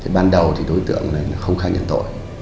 ban đầu đối tượng này không khai nhận tội